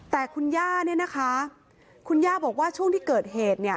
แต่คุณย่าคุณย่าบอกว่าช่วงที่เกิดเหตุ